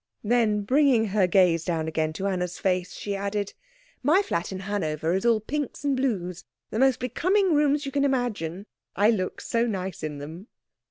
Then, bringing her gaze down again to Anna's face, she added, "My flat in Hanover is all pinks and blues the most becoming rooms you can imagine. I look so nice in them."